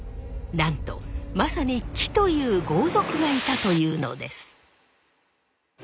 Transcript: なんとまさに紀という豪族がいたというのです。